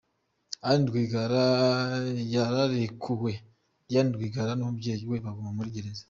Anne Rwigara yararekuwe, Diane Rwigara n’umubyeyi we baguma muri gereza.